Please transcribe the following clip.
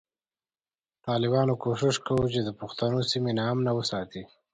ټالبانو کوشش کوو چی د پښتنو سیمی نا امنه وساتی